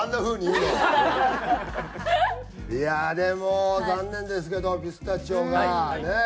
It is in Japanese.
いやあでも残念ですけどピスタチオがねえ